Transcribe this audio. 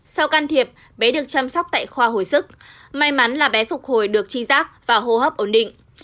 sau can thiệp bé được chăm sóc tại khoa hồi sức may mắn là bé phục hồi được chi giác và hô hấp ổn định